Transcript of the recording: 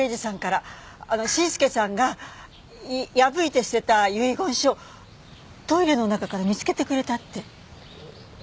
伸介さんが破いて捨てた遺言書をトイレの中から見つけてくれたって。